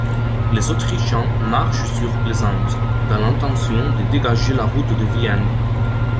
Les Autrichiens marchent sur Plaisance, dans l'intention de dégager la route de Vienne.